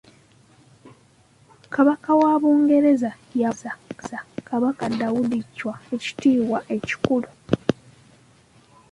Kabaka wa Bungereza yaweerereza Kabaka Daudi Chwa ekitiibwa ekikulu.